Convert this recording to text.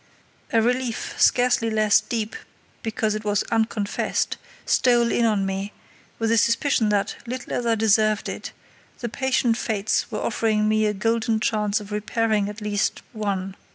A relief, scarcely less deep because it was unconfessed, stole in on me with the suspicion that, little as I deserved it, the patient fates were offering me a golden chance of repairing at least one.